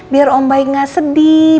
biar om baik gak sedih